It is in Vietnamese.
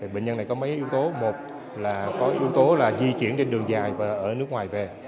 bệnh nhân này có mấy yếu tố một là có yếu tố là di chuyển trên đường dài và ở nước ngoài về